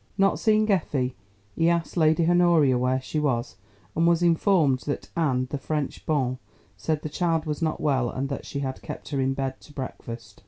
Not seeing Effie, he asked Lady Honoria where she was, and was informed that Anne, the French bonne, said the child was not well and that she had kept her in bed to breakfast.